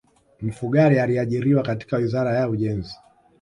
Mfugale aliajiriwa katika wizara ya ujenzi